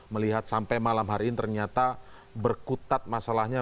melihat sampai malam hari ini ternyata berkutat masalahnya